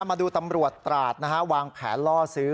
มาดูตำรวจตราดนะฮะวางแผนล่อซื้อ